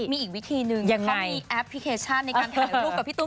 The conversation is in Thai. ต่อดิฉันน่ะมีอีกวิธีนึง